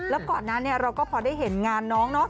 แล้วก่อนนั้นเราก็พอได้เห็นงานน้องเนาะ